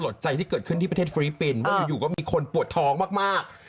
ใจที่เกิดขึ้นที่ประเทศฟิลิปปินส์ว่าอยู่ก็มีคนปวดท้องมาก